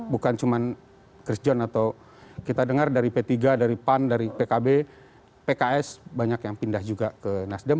bukan cuma chris john atau kita dengar dari p tiga dari pan dari pkb pks banyak yang pindah juga ke nasdem